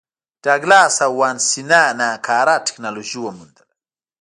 ډاګلاس او وانسینا ناکاره ټکنالوژي وموندله.